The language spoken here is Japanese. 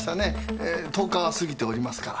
えー１０日は過ぎておりますから。